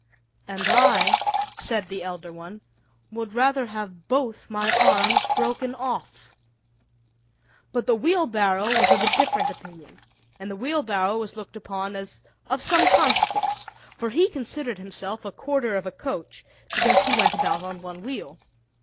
"And I," said the elder one, "would rather have both my arms broken off." But the Wheelbarrow was of a different opinion; and the Wheelbarrow was looked upon as of some consequence, for he considered himself a quarter of a coach, because he went about upon one wheel.